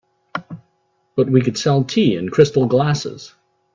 But we could sell tea in crystal glasses.